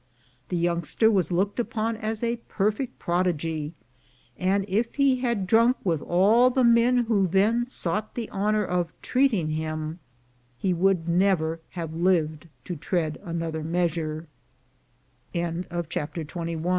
The youngster was looked upon as a perfect prodigy, and if he had drunk with all the men who then sought the honor of "treating" him, he would never have lived to tread an